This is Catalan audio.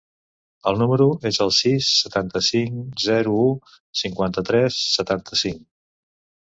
El meu número es el sis, setanta-cinc, zero, u, cinquanta-tres, setanta-cinc.